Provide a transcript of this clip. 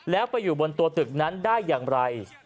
แล้วไปอยู่บนตัวตึกนั้นได้อย่างไร